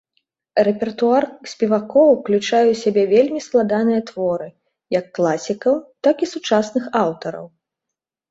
Рэпертуар спевакоў ўключае ў сябе вельмі складаныя творы як класікаў, так і сучасных аўтараў.